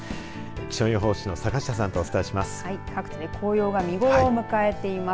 気象予報士の坂下さんとお伝えします。